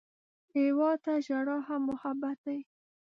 هېواد ته ژړا هم محبت دی